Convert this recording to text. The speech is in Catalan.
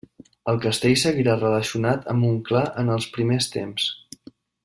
El castell seguirà relacionat amb Montclar en els primers temps.